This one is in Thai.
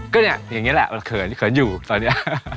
ก็เนี่ยอย่างนี้แหละมันเขินเขินอยู่ตอนนี้